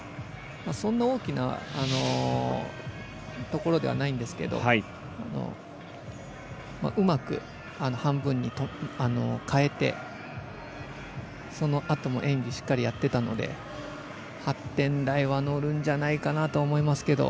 そんな大きなところではないんですがうまく、半分に変えてそのあとも演技しっかりやってたので８点台は乗るんじゃないかなと思いますけど。